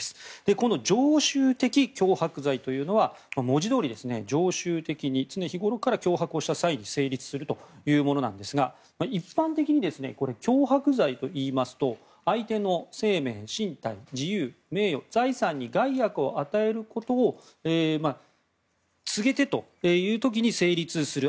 この常習的脅迫罪というのは文字どおり常習的に常日頃から脅迫をした際に成立するものなんですが一般的に脅迫罪といいますと相手の生命・身体・自由・名誉財産に害悪を与えることを告げてという時に成立すると。